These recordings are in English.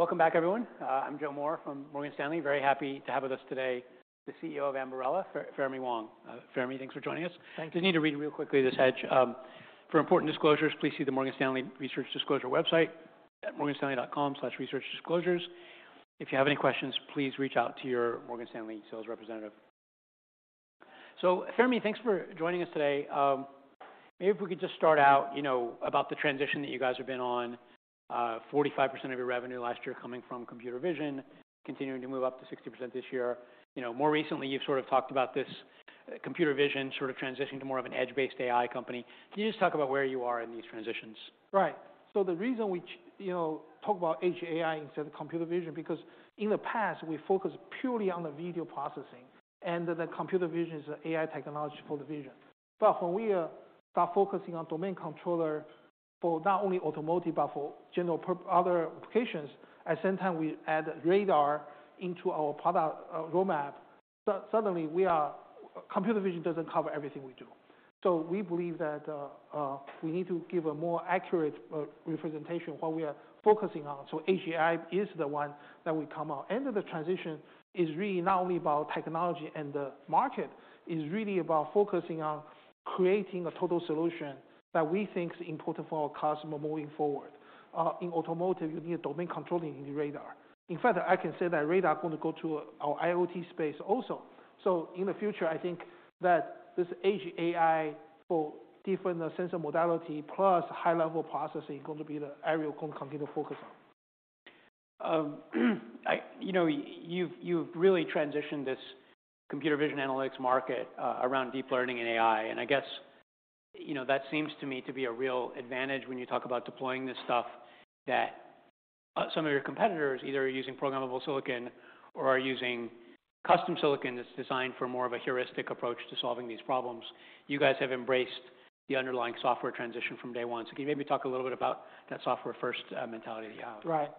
Welcome back, everyone. I'm Joe Moore from Morgan Stanley. Very happy to have with us today the CEO of Ambarella, Fermi Wang. Fermi, thanks for joining us. Thank you. Just need to read real quickly this hedge. For important disclosures, please see the Morgan Stanley Research Disclosure website at morganstanley.com/researchdisclosures. If you have any questions, please reach out to your Morgan Stanley sales representative. Fermi, thanks for joining us today. Maybe if we could just start out, you know, about the transition that you guys have been on. 45% of your revenue last year coming from computer vision, continuing to move up to 60% this year. You know, more recently, you've sort of talked about this computer vision sort of transitioning to more of an Edge AI company. Can you just talk about where you are in these transitions? Right. The reason we you know, talk about Edge AI instead of computer vision, because in the past, we focused purely on the video processing, and then the computer vision is AI technology for the vision. When we start focusing on domain controller for not only automotive, but for general other applications, at same time we add radar into our product roadmap. Suddenly computer vision doesn't cover everything we do. We believe that we need to give a more accurate representation what we are focusing on. Edge AI is the one that we come out. End of the transition is really not only about technology and the market, is really about focusing on creating a total solution that we think is important for our customer moving forward. In automotive, you need a domain controlling the radar. In fact, I can say that radar going to go to our IoT space also. In the future, I think that this Edge AI for different sensor modality plus high-level processing going to be the area computer focus on. You know, you've really transitioned this computer vision analytics market around deep learning and AI. I guess, you know, that seems to me to be a real advantage when you talk about deploying this stuff that some of your competitors either are using programmable silicon or are using custom silicon that's designed for more of a heuristic approach to solving these problems. You guys have embraced the underlying software transition from day one. Can you maybe talk a little bit about that software-first mentality you have? Right.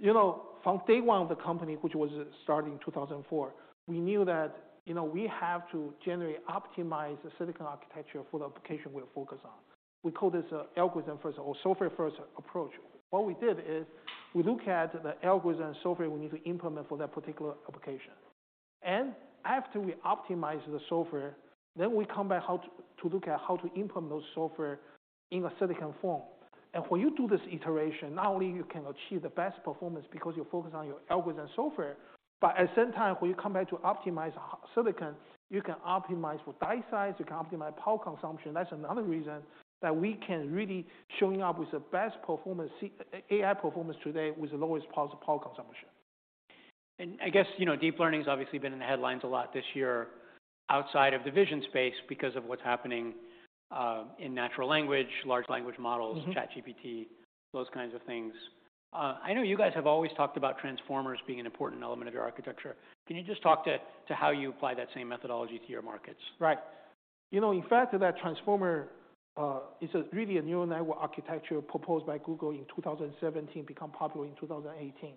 You know, from day one of the company, which was start in 2004, we knew that, you know, we have to generally optimize the silicon architecture for the application we're focused on. We call this a algorithm-first or software-first approach. What we did is we look at the algorithm software we need to implement for that particular application. After we optimize the software, then we come back how to look at how to implement those software in a silicon form. When you do this iteration, not only you can achieve the best performance because you focus on your algorithm software, but at same time, when you come back to optimize silicon, you can optimize for die size, you can optimize power consumption. That's another reason that we can really showing up with the best performance, AI performance today with the lowest power consumption. I guess, you know, deep learning's obviously been in the headlines a lot this year outside of the vision space because of what's happening in natural language, large language models. Mm-hmm. ChatGPT, those kinds of things. I know you guys have always talked about transformers being an important element of your architecture. Can you just talk to how you apply that same methodology to your markets? Right. You know, in fact, that transformer is a really a neural network architecture proposed by Google in 2017, become popular in 2018.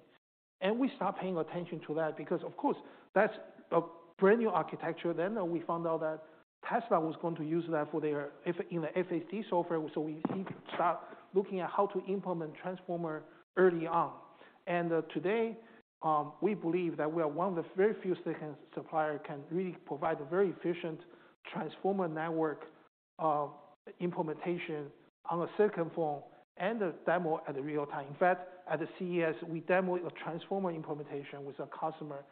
We start paying attention to that because of course, that's a brand-new architecture then, and we found out that Tesla was going to use that in the FSD software. We immediately start looking at how to implement transformer early on. Today, we believe that we are one of the very few silicon supplier can really provide a very efficient transformer network implementation on a silicon form and a demo at the real time. In fact, at the CES, we demo a transformer implementation with a customer,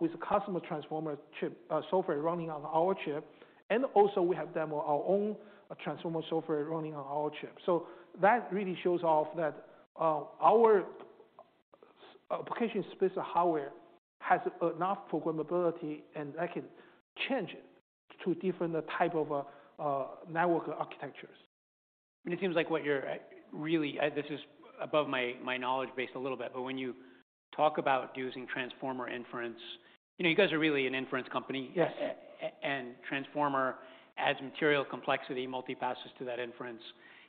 with a customer transformer chip software running on our chip, and also, we have demo our own transformer software running on our chip. That really shows off that our application-specific hardware has enough programmability, and that can change it to different type of network architectures. It seems like what you're really. This is above my knowledge base a little bit, but when you talk about using transformer inference, you know, you guys are really an inference company. Yes. Transformer adds material complexity, multi-passes to that inference.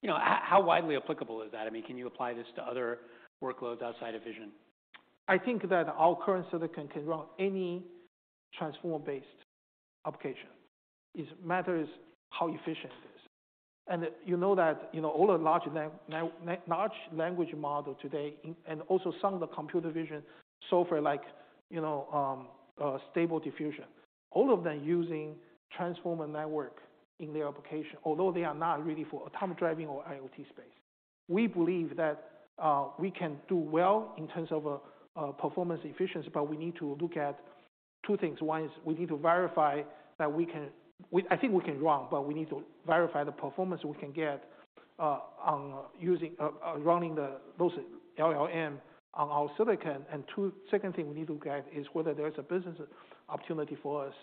You know, how widely applicable is that? I mean, can you apply this to other workloads outside of vision? I think that our current silicon can run any transformer-based application. Is matters how efficient it is. You know that, all the large language model today and also some of the computer vision software like Stable Diffusion, all of them using transformer network in their application, although they are not really for autonomous driving or IoT space. We believe that we can do well in terms of performance efficiency, we need to look at two things. One is we need to verify that I think we can run, we need to verify the performance we can get on using running those LLM on our silicon. Second thing we need to look at is whether there is a business opportunity for us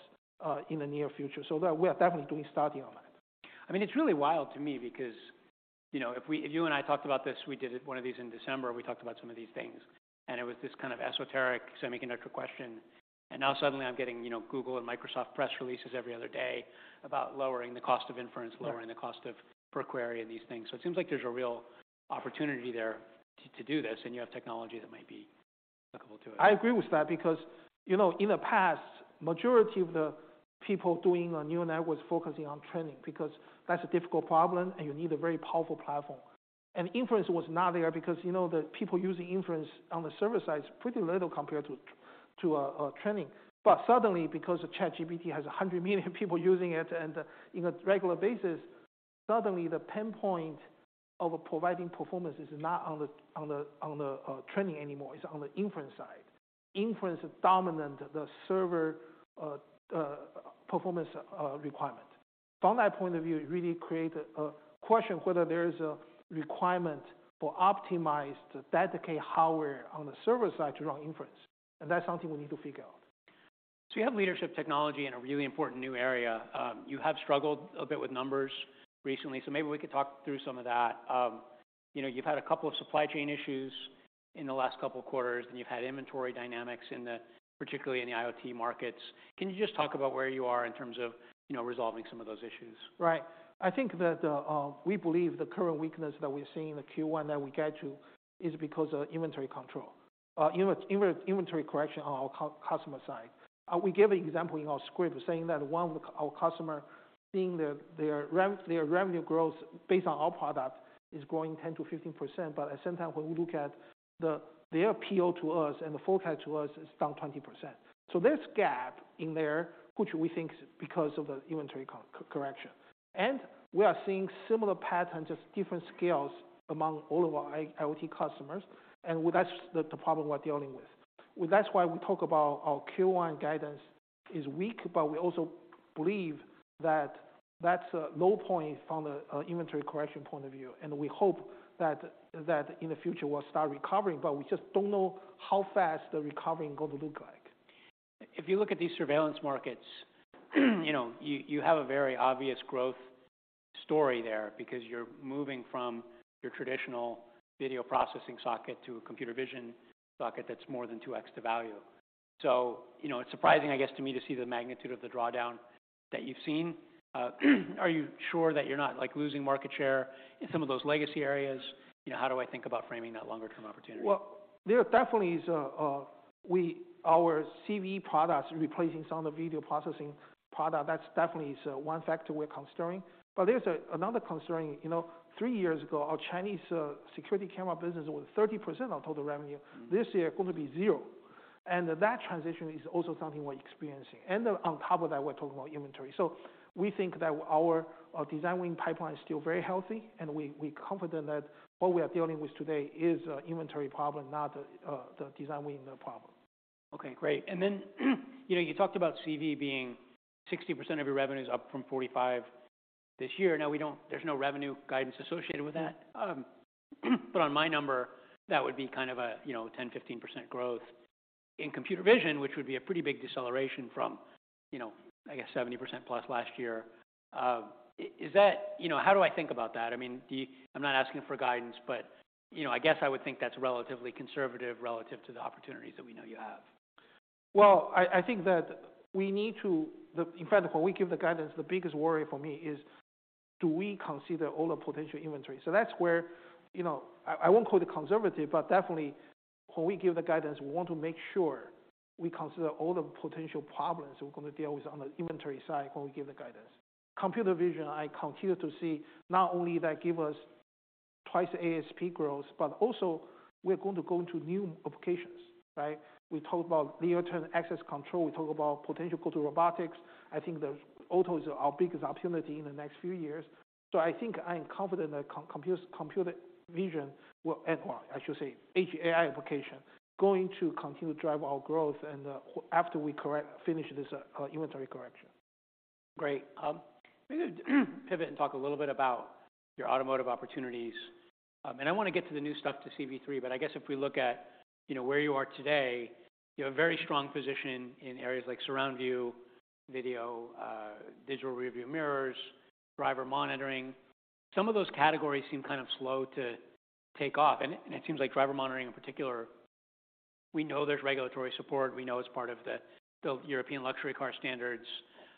in the near future. That we are definitely doing study on that. I mean, it's really wild to me because, you know, if you and I talked about this, we did one of these in December, we talked about some of these things. It was this kind of esoteric semiconductor question. Now suddenly I'm getting, you know, Google and Microsoft press releases every other day about lowering the cost of inference. Right. Lowering the cost of per query and these things. It seems like there's a real opportunity there to do this. You have technology that might be. I agree with that because, you know, in the past, majority of the people doing a neural network focusing on training, because that's a difficult problem and you need a very powerful platform. Inference was not there because, you know, the people using inference on the server side is pretty little compared to training. Suddenly, because the ChatGPT has 100 million people using it and in a regular basis, suddenly the pinpoint of providing performance is not on the training anymore, it's on the inference side. Inference is dominant, the server performance requirement. From that point of view, it really create a question whether there is a requirement for optimized dedicated hardware on the server side to run inference, and that's something we need to figure out. You have leadership technology in a really important new area. You have struggled a bit with numbers recently, so maybe we could talk through some of that. You know, you've had a couple of supply chain issues in the last couple of quarters, and you've had inventory dynamics particularly in the IoT markets. Can you just talk about where you are in terms of, you know, resolving some of those issues? Right. I think that we believe the current weakness that we're seeing in the Q1 that we get to is because of inventory control. inventory correction on our customer side. We gave an example in our script saying that one of our customer, seeing their revenue growth based on our product is growing 10%-15%, but at same time, when we look at their PO to us and the forecast to us is down 20%. There's gap in there, which we think is because of the inventory correction. We are seeing similar patterns of different scales among all of our IoT customers, and that's the problem we're dealing with. Well, that's why we talk about our Q1 guidance is weak, but we also believe that that's a low point from the inventory correction point of view. We hope that in the future, we'll start recovering, but we just don't know how fast the recovering going to look like. If you look at these surveillance markets, you know, you have a very obvious growth story there because you're moving from your traditional video processing socket to a computer vision socket that's more than 2x the value. You know, it's surprising, I guess, to me, to see the magnitude of the drawdown that you've seen. Are you sure that you're not, like, losing market share in some of those legacy areas? You know, how do I think about framing that longer term opportunity? Well, there definitely is. Our CV products replacing some of the video processing product, that's definitely is one factor we're considering. There's another considering. You know, three years ago, our Chinese security camera business was 30% of total revenue. Mm-hmm. This year, going to be zero. That transition is also something we're experiencing. On top of that, we're talking about inventory. We think that our design win pipeline is still very healthy, and we confident that what we are dealing with today is a inventory problem, not the design winning problem. Okay, great. You know, you talked about CV being 60% of your revenues up from 45% this year. Now we don't there's no revenue guidance associated with that. But on my number, that would be kind of a, you know, 10%-15% growth in computer vision, which would be a pretty big deceleration from, you know, I guess 70%+ last year. Is that? You know, how do I think about that? I mean, do you I'm not asking for guidance, but, you know, I guess I would think that's relatively conservative relative to the opportunities that we know you have. I think that we need to. In fact, when we give the guidance, the biggest worry for me is, do we consider all the potential inventory? That's where, you know, I won't call it conservative, but definitely when we give the guidance, we want to make sure we consider all the potential problems we're gonna deal with on the inventory side when we give the guidance. computer vision, I continue to see not only that give us twice the ASP growth, but also we're going to go into new applications, right? We talk about near-term access control, we talk about potential go-to robotics. I think the auto is our biggest opportunity in the next few years. I think I am confident that computer vision will, and what I should say, AI application, going to continue to drive our growth and, after we finish this, inventory correction. Great. maybe pivot and talk a little bit about your automotive opportunities. I wanna get to the new stuff to CV3, but I guess if we look at, you know, where you are today, you have a very strong position in areas like surround view, video, digital rearview mirrors, driver monitoring. Some of those categories seem kind of slow to take off, and it seems like driver monitoring in particular, we know there's regulatory support. We know it's part of the European luxury car standards.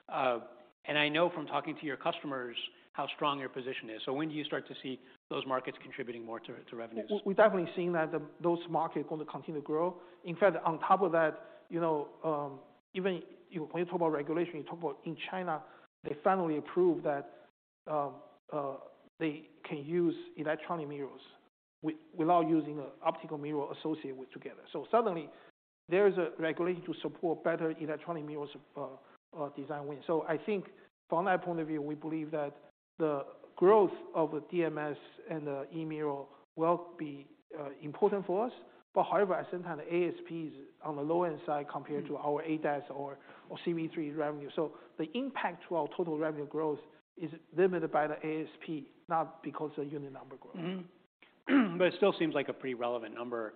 I know from talking to your customers how strong your position is. When do you start to see those markets contributing more to revenues? We're definitely seeing that those markets going to continue to grow. In fact, on top of that, you know, even when you talk about regulation, you talk about in China, they finally approved that they can use electronic mirrors without using an optical mirror associated with together. Suddenly, there is a regulation to support better electronic mirrors design win. I think from that point of view, we believe that the growth of the DMS and the e-mirror will be important for us. However, at same time, the ASP is on the low-end side compared to our ADAS or CV3 revenue. The impact to our total revenue growth is limited by the ASP, not because of unit number growth. Mm-hmm. It still seems like a pretty relevant number,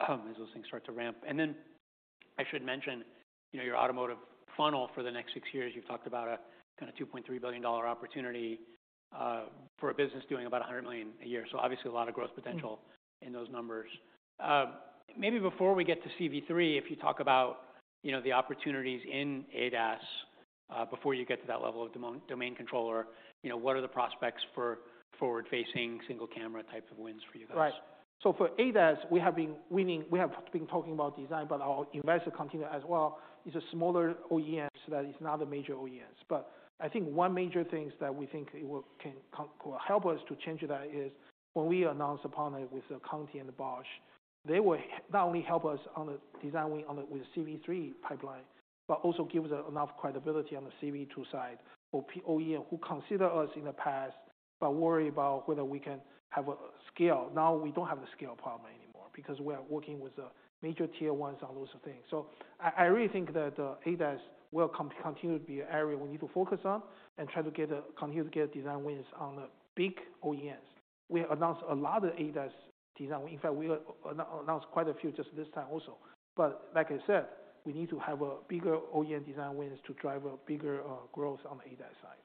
as those things start to ramp. I should mention, you know, your automotive funnel for the next six years. You've talked about a, kind of $2.3 billion opportunity for a business doing about $100 million a year. Obviously a lot of growth potential in those numbers. Maybe before we get to CV3, if you talk about, you know, the opportunities in ADAS before you get to that level of domain controller, you know, what are the prospects for forward-facing single camera type of wins for you guys? Right. For ADAS, we have been winning. We have been talking about design, but our investor continue as well, is a smaller OEM, so that is not a major OEMs. I think one major things that we think can help us to change that is when we announce upon it with the Continental and the Bosch, they will not only help us on the design win on the with CV3 pipeline, but also give us enough credibility on the CV2 side for OEM who consider us in the past, but worry about whether we can have a scale. Now, we don't have the scale problem anymore because we are working with the major Tier 1s on those things. I really think that ADAS will continue to be an area we need to focus on and try to continue to get design wins on the big OEMs. We announced a lot of ADAS design. In fact, we announced quite a few just this time also. Like I said, we need to have a bigger OEM design wins to drive a bigger growth on ADAS side.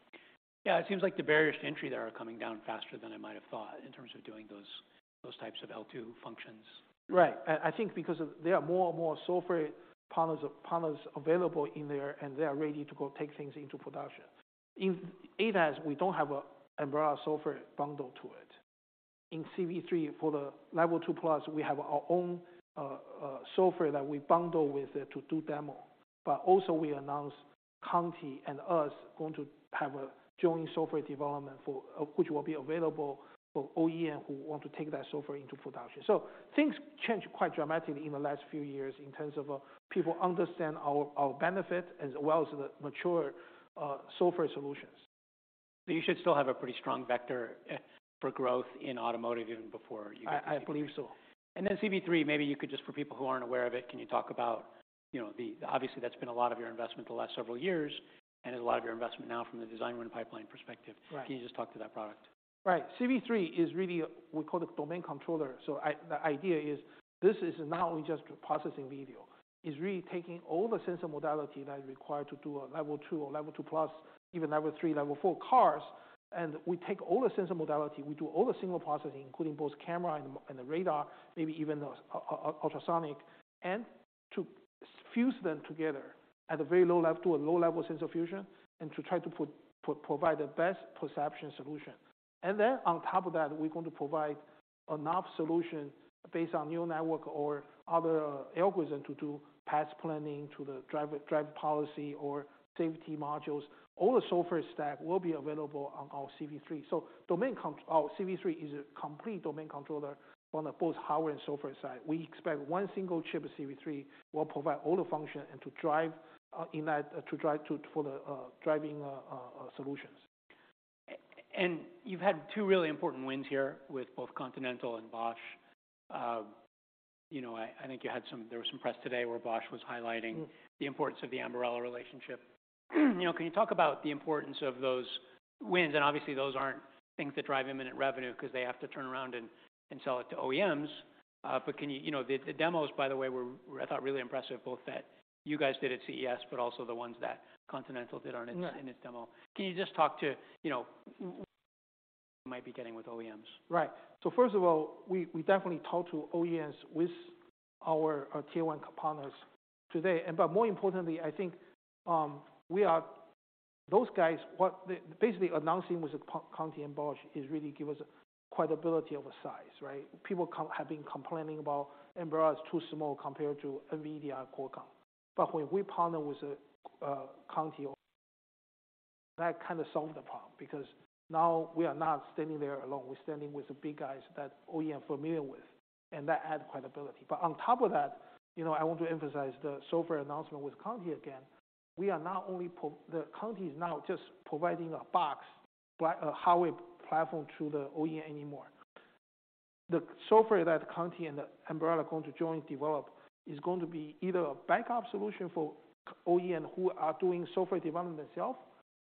Yeah, it seems like the barriers to entry there are coming down faster than I might have thought in terms of doing those types of L2 functions. Right. I think because of there are more and more software partners available in there, They are ready to go take things into production. In ADAS, we don't have a Ambarella software bundle to it. In CV3 for the Level 2+, we have our own software that we bundle with it to do demo. Also we announce Conti and us going to have a joint software development for which will be available for OEM who want to take that software into production. Things change quite dramatically in the last few years in terms of people understand our benefit as well as the mature software solutions. You should still have a pretty strong vector for growth in automotive even before you get to CV3. I believe so. CV3, maybe you could just for people who aren't aware of it, can you talk about, you know, obviously, that's been a lot of your investment the last several years, and is a lot of your investment now from the design win pipeline perspective. Right. Can you just talk to that product? Right. CV3 is really, we call it domain controller. The idea is this is not only just processing video. It's really taking all the sensor modality that is required to do a Level 2 or Level 2+, even Level 3, Level 4 cars, and we take all the sensor modality. We do all the signal processing, including both camera and the radar, maybe even those ultrasonic, and to fuse them together at a very low-level sensor fusion, and to try to provide the best perception solution. On top of that, we're going to provide enough solution based on neural network or other algorithm to do path planning to the driver policy or safety modules. All the software stack will be available on our CV3. Our CV3 is a complete domain controller on the both hardware and software side. We expect one single chip of CV3 will provide all the function and to drive for the driving solutions. You've had two really important wins here with both Continental and Bosch. You know, I think there was some press today where Bosch was highlighting. Mm-hmm. The importance of the Ambarella relationship. You know, can you talk about the importance of those wins? Obviously, those aren't things that drive imminent revenue because they have to turn around and sell it to OEMs. You know, the demos, by the way, were I thought really impressive, both that you guys did at CES, but also the ones that Continental did on its. Right. In its demo. Can you just talk to, you know, might be getting with OEMs? Right. First of all, we definitely talk to OEMs with our tier one partners today. More importantly, I think, those guys, what they basically announcing with the Conti and Bosch has really give us credibility of a size, right? People have been complaining about Ambarella is too small compared to NVIDIA and Qualcomm. When we partner with Conti, that kinda solve the problem because now we are not standing there alone. We're standing with the big guys that OEM familiar with, and that add credibility. On top of that, you know, I want to emphasize the software announcement with Conti again. The Conti is not just providing a box, but a hardware platform to the OEM anymore. The software that Conti and Ambarella going to joint develop is going to be either a backup solution for OEM who are doing software development itself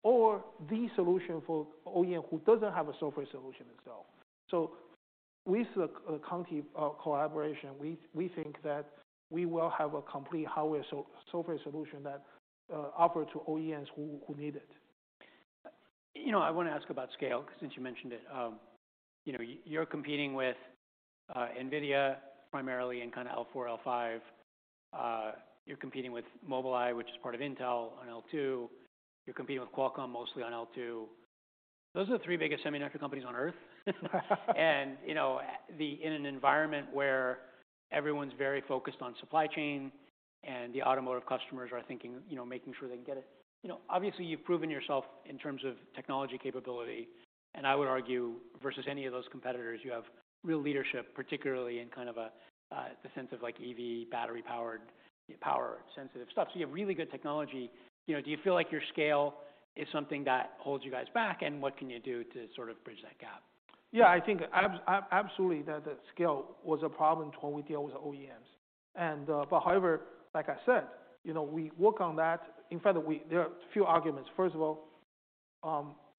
or the solution for OEM who doesn't have a software solution itself. With the Conti collaboration, we think that we will have a complete hardware, software solution that offer to OEMs who need it. You know, I wanna ask about scale, 'cause since you mentioned it. You know, you're competing with NVIDIA primarily in kinda L4, L5. You're competing with Mobileye, which is part of Intel on L2. You're competing with Qualcomm mostly on L2. Those are the three biggest semiconductor companies on Earth. You know, in an environment where everyone's very focused on supply chain and the automotive customers are thinking, you know, making sure they can get it. You know, obviously, you've proven yourself in terms of technology capability, and I would argue versus any of those competitors, you have real leadership, particularly in kinda the sense of like EV, battery-powered, power-sensitive stuff. You have really good technology. You know, do you feel like your scale is something that holds you guys back, and what can you do to sort of bridge that gap? Yeah. I think absolutely, the scale was a problem when we deal with the OEMs. However, like I said, you know, we work on that. In fact, there are few arguments. First of all,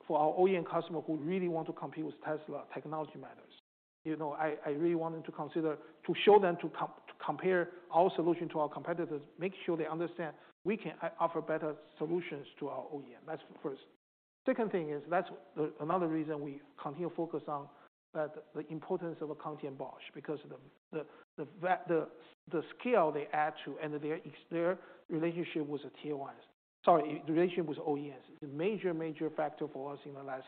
for our OEM customer who really want to compete with Tesla, technology matters. You know, I really want them to show them to compare our solution to our competitors, make sure they understand we can offer better solutions to our OEM. That's first. Second thing is that's another reason we continue to focus on the importance of a Conti and Bosch, because the scale they add to and their relationship with the Tier 1s. Sorry, the relationship with OEMs is a major factor for us in the last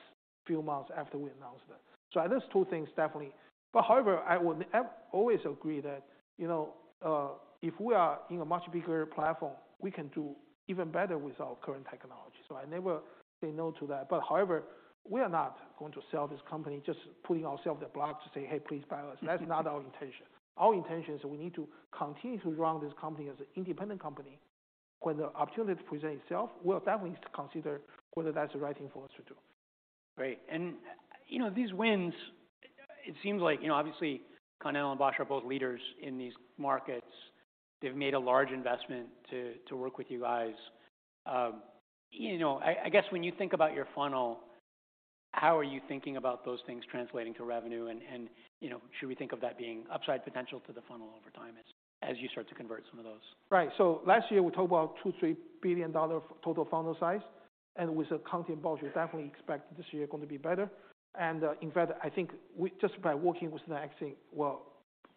few months after we announced that. There's two things, definitely. However, I would always agree that, you know, if we are in a much bigger platform, we can do even better with our current technology. I never say no to that. However, we are not going to sell this company just putting ourselves the block to say, "Hey, please buy us." That's not our intention. Our intention is we need to continue to run this company as an independent company. When the opportunity presents itself, we'll definitely consider whether that's the right thing for us to do. Great. You know, these wins, it seems like, you know, obviously, Continental and Bosch are both leaders in these markets. They've made a large investment to work with you guys. You know, I guess when you think about your funnel, how are you thinking about those things translating to revenue? You know, should we think of that being upside potential to the funnel over time as you start to convert some of those? Right. Last year, we talked about $2 billion-$3 billion total funnel size. With Continental and Bosch, we definitely expect this year going to be better. In fact, I think just by working with them actually will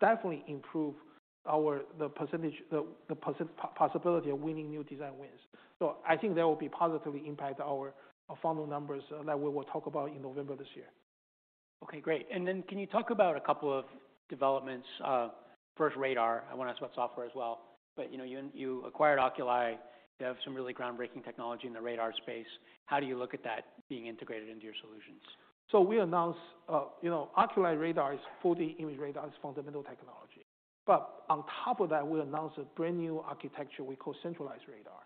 definitely improve the percentage, the possibility of winning new design wins. I think that will be positively impact our funnel numbers that we will talk about in November this year. Okay, great. Can you talk about a couple of developments, first radar? I wanna ask about software as well. You know, you acquired Oculii. You have some really groundbreaking technology in the radar space. How do you look at that being integrated into your solutions? We announced, you know, Oculii radar is 4D imaging radar. It's fundamental technology. On top of that, we announced a brand-new architecture we call centralized radar.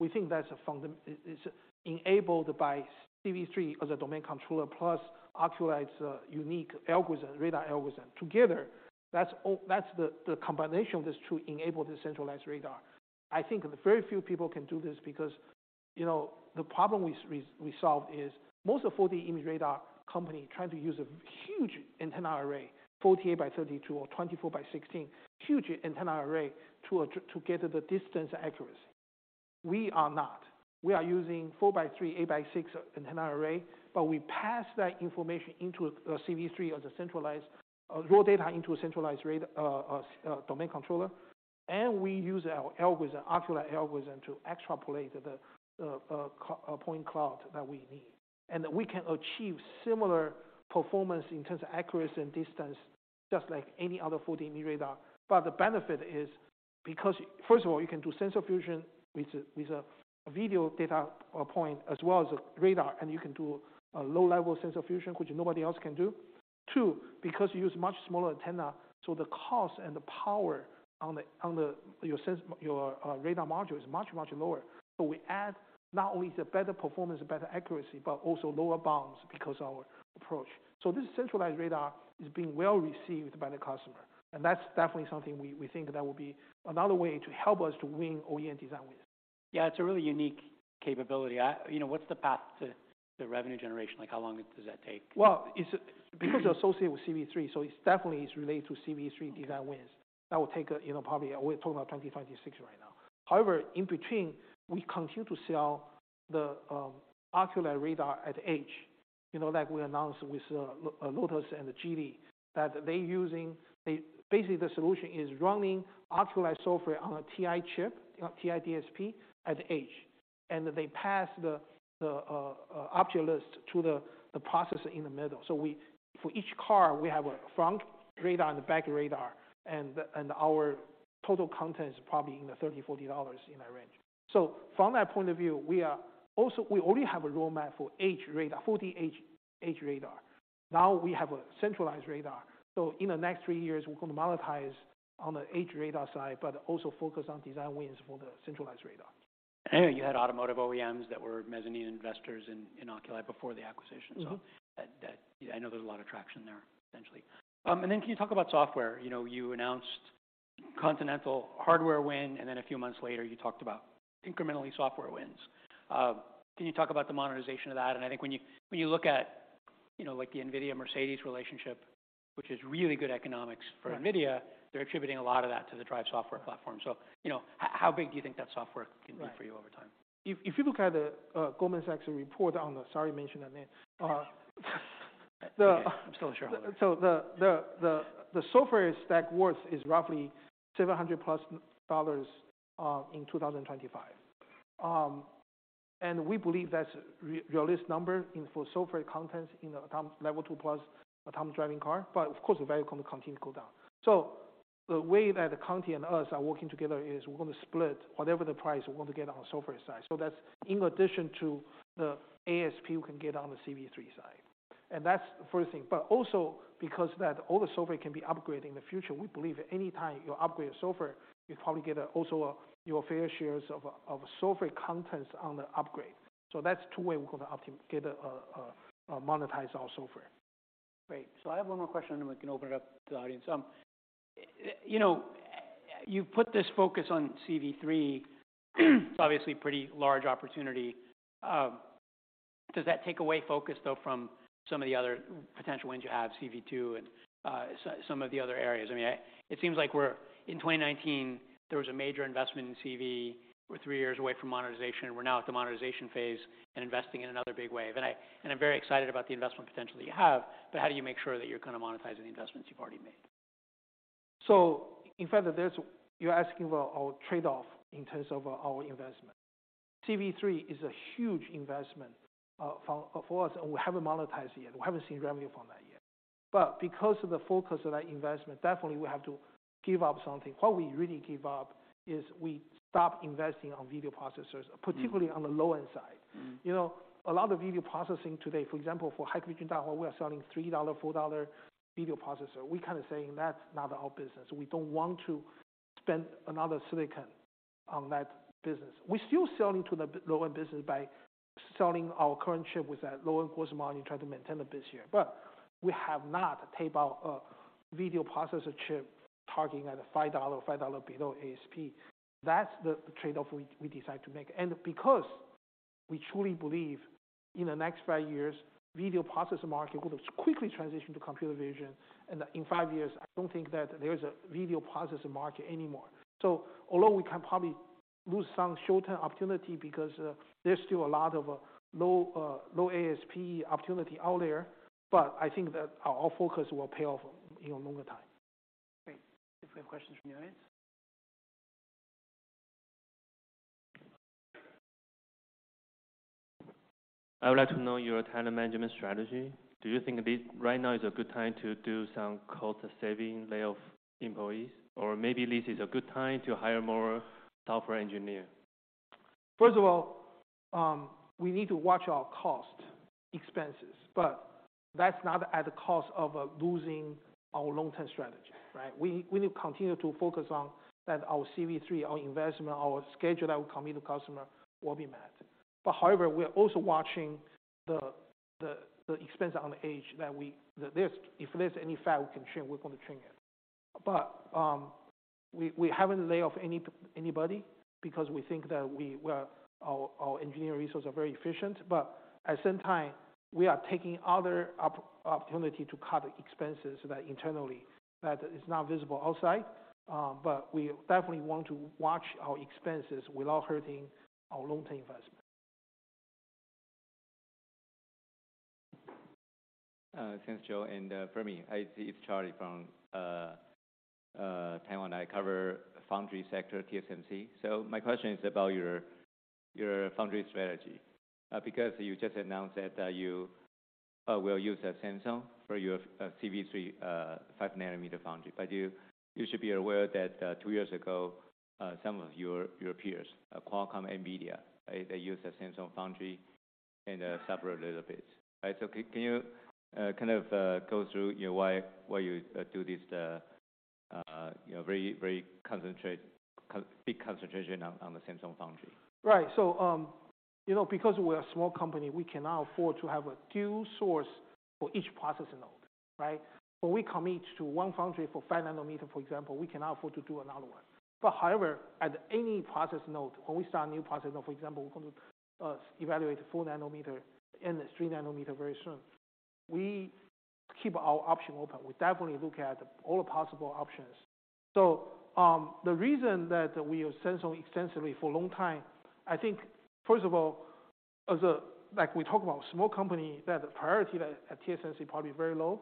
It's enabled by CV3 as a domain controller, plus Oculii's unique algorithm, radar algorithm. Together, that's the combination of this to enable the centralized radar. I think very few people can do this because, you know, the problem we resolved is most of 4D imaging radar company trying to use a huge antenna array, 48 by 32 or 24 by 16, huge antenna array to get the distance accuracy. We are not. We are using four by three, eight by six antenna array, but we pass that information into CV3 as a centralized raw data into a centralized domain controller. We use our algorithm, Oculii algorithm to extrapolate the point cloud that we need. We can achieve similar performance in terms of accuracy and distance just like any other 4D imaging radar. The benefit is because, first of all, you can do sensor fusion with a video data point as well as a radar, and you can do a low-level sensor fusion, which nobody else can do. Two, because you use much smaller antenna, so the cost and the power on your radar module is much, much lower. We add not only the better performance, better accuracy, but also lower bounds because our approach. This centralized radar is being well received by the customer, and that's definitely something we think that will be another way to help us to win OEM design wins. Yeah, it's a really unique capability. You know, what's the path to revenue generation? Like, how long does that take? Well, it's because it's associated with CV3, so it's definitely is related to CV3 design wins. That will take, you know, probably we're talking about 2026 right now. However, in between, we continue to sell the Oculii radar at edge. You know, like we announced with Lotus and Geely, that they're using. Basically, the solution is running Oculii software on a TI chip, TI DSP at edge. They pass the object list to the processor in the middle. For each car, we have a front radar and a back radar, our total content is probably in the $30-$40 in that range. From that point of view, we already have a roadmap for edge radar, 4D edge radar. Now we have a centralized radar. In the next three years, we're gonna monetize on the edge radar side, but also focus on design wins for the centralized radar. You had automotive OEMs that were mezzanine investors in Oculii before the acquisition. Mm-hmm. I know there's a lot of traction there, essentially. Can you talk about software? You know, you announced Continental hardware win, and then a few months later, you talked about incrementally software wins. Can you talk about the monetization of that? I think when you, when you look at, you know, like the NVIDIA-Mercedes relationship, which is really good economics for NVIDIA. Right. They're attributing a lot of that to the DRIVE software platform. you know, how big do you think that software can be for you over time? If you look at the Goldman Sachs report. Sorry to mention that name. It's okay. I'm still a shareholder. The software stack worth is roughly $700+ in 2025. We believe that's a realist number for software contents in a Level 2+ autonomous driving car. Of course, the value gonna continue to go down. The way that Conti and us are working together is we're gonna split whatever the price we're going to get on software side. That's in addition to the ASP we can get on the CV3 side. That's the first thing. Also because that all the software can be upgraded in the future, we believe any time you upgrade software, you probably get also your fair shares of software contents on the upgrade. That's two way we're gonna get monetize our software. Great. I have one more question, and we can open it up to the audience. you know, you put this focus on CV3. It's obviously pretty large opportunity. Does that take away focus, though, from some of the other potential wins you have, CV2 and some of the other areas? I mean, it seems like In 2019, there was a major investment in CV We're three years away from monetization. We're now at the monetization phase and investing in another big wave. I'm very excited about the investment potential that you have. How do you make sure that you're gonna monetize the investments you've already made? In fact, that you're asking about our trade-off in terms of our investment. CV3 is a huge investment for us, and we haven't monetized it yet. We haven't seen revenue from that yet. Because of the focus of that investment, definitely we have to give up something. What we really give up is we stop investing on video processors, particularly on the low-end side. Mm. You know, a lot of video processing today, for example, for high-definition TV, we are selling $3, $4 video processor. We kind of saying that's not our business. We don't want to spend another silicon on that business. We're still selling to the low-end business by selling our current chip with that low gross margin, trying to maintain the business. We have not taped out a video processor chip targeting at a $5 or $5 below ASP. That's the trade-off we decided to make. Because we truly believe in the next five years, video processor market could quickly transition to computer vision, and in five years, I don't think that there is a video processor market anymore. Although we can probably lose some short-term opportunity because there's still a lot of low, low ASP opportunity out there, but I think that our focus will pay off in longer time. Great. If we have questions from the audience. I would like to know your talent management strategy. Do you think this right now is a good time to do some cost saving lay off employees? Maybe this is a good time to hire more software engineer? First of all, we need to watch our cost expenses, but that's not at the cost of losing our long-term strategy, right? We need to continue to focus on that our CV3, our investment, our schedule that we commit to customer will be met. However, we are also watching the expense on edge if there's any fat we can trim, we're gonna trim it. We haven't laid off anybody because we think that we, well, our engineering resources are very efficient. At the same time, we are taking other opportunity to cut expenses that internally, that is not visible outside, but we definitely want to watch our expenses without hurting our long-term investment. Thanks, Joe. For me, hi, it's Charlie from Taiwan. I cover foundry sector TSMC. My question is about your foundry strategy, because you just announced that you will use Samsung for your CV3, 5nm foundry. You should be aware that two years ago, some of your peers, Qualcomm, NVIDIA, right, they use the Samsung foundry and suffered a little bit. Right? Can you, kind of, go through, you know, why you do this, you know, very big concentration on the Samsung foundry? Right. you know, because we're a small company, we cannot afford to have a dual source for each process node, right? When we commit to one foundry for 5nm, for example, we cannot afford to do another one. However, at any process node, when we start a new process node, for example, we're going to evaluate 4nm and 3nm very soon. We keep our option open. We definitely look at all the possible options. The reason that we use Samsung extensively for a long time, I think first of all like, we talk about small company, that priority at TSMC probably very low.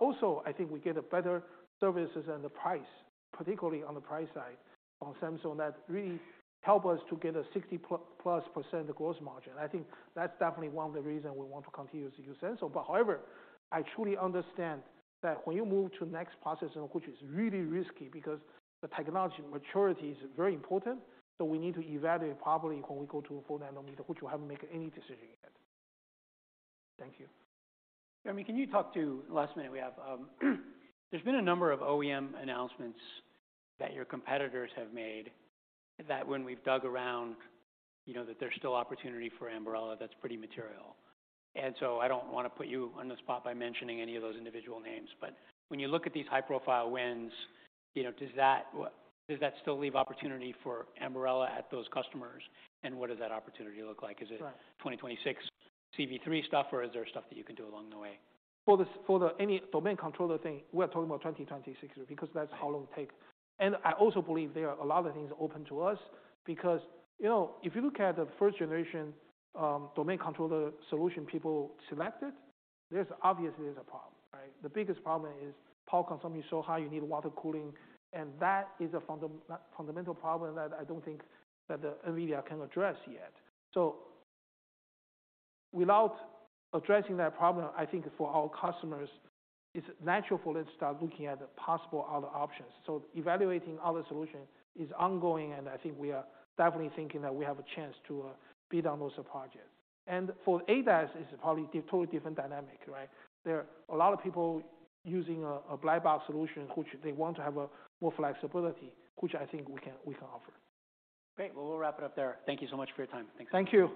Also, I think we get a better services and the price, particularly on the price side on Samsung that really help us to get a 60%+ gross margin. I think that's definitely one of the reason we want to continue to use Samsung. However, I truly understand that when you move to next process node, which is really risky because the technology maturity is very important, so we need to evaluate properly when we go to a 4nm, which we haven't made any decision yet. Thank you. Fermi, can you talk to, last minute we have, there's been a number of OEM announcements that your competitors have made that when we've dug around, you know that there's still opportunity for Ambarella that's pretty material. I don't wanna put you on the spot by mentioning any of those individual names, but when you look at these high-profile wins, you know, does that still leave opportunity for Ambarella at those customers, and what does that opportunity look like? Is it. Right. 2026 CV3 stuff, or is there stuff that you can do along the way? For the any domain controller thing, we're talking about 2026 because that's how long it takes. I also believe there are a lot of things open to us because, you know, if you look at the first generation domain controller solution people selected, there's obviously is a problem, right? The biggest problem is power consumption so high you need water cooling, and that is a fundamental problem that I don't think that the NVIDIA can address yet. Without addressing that problem, I think for our customers, it's natural for let's start looking at possible other options. Evaluating other solutions is ongoing, and I think we are definitely thinking that we have a chance to bid on those projects. For ADAS, it's probably totally different dynamic, right? There are a lot of people using a black box solution which they want to have a more flexibility, which I think we can offer. Great. Well, we'll wrap it up there. Thank you so much for your time. Thanks. Thank you.